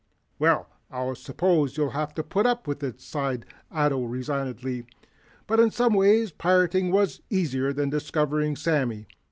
"Well, I suppose I'll have to put up with it," sighed Ato resignedly. "But in some ways pirating was easier than discovering, Sammy.